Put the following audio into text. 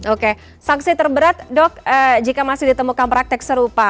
oke sanksi terberat dok jika masih ditemukan praktek serupa